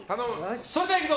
それではいくぞ！